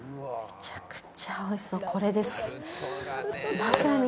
めちゃくちゃうまそう。